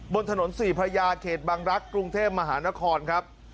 บนถนนสี่พระยาเขตบังรักษ์กรุงเทพมหานครครับ